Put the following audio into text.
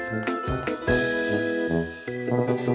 อีก